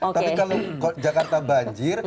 tapi kalau jakarta banjir